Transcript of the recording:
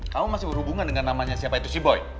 kamu masih berhubungan dengan namanya siapa itu sea boy